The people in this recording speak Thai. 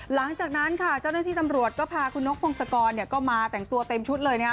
หลังจากนั้นค่ะเจ้าหน้าที่ตำรวจก็พาคุณนกพงศกรก็มาแต่งตัวเต็มชุดเลยนะฮะ